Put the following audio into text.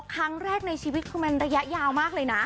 ครั้งแรกในชีวิตคือมันระยะยาวมากเลยนะ